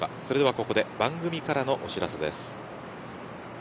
ここで番組からのお知らせです。